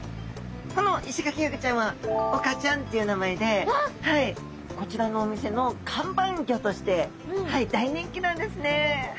このイシガキフグちゃんはオカちゃんっていう名前でこちらのお店の看板魚。